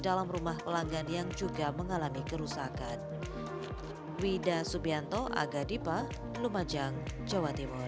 dalam rumah pelanggan yang juga mengalami kerusakan wida subianto aga dipa lumajang jawa timur